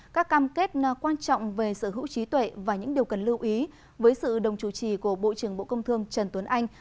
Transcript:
các cam kết quan trọng về sở hữu trí tuệ và những điều cần lưu ý với sự đồng chủ trì của bộ trưởng bộ công thương trần tuấn anh